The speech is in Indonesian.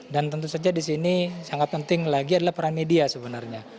tentu saja di sini sangat penting lagi adalah peran media sebenarnya